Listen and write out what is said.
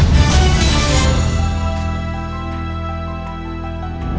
โปรดติดตามตอนต่อไป